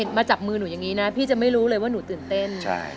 ถ้าเขาไม่มาเยือน